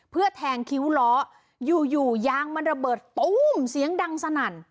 เพื่อแทงคิ้วล้ออยู่อยู่ยางมันระเบิดตู้มเสียงดังสนั่น